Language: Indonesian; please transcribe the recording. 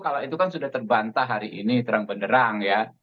kalau itu kan sudah terbantah hari ini terang penderang ya